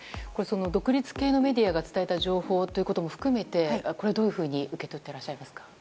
独立系のメディアが伝えた情報というのも含めてこれはどういうふうに受け取ってらっしゃいますか。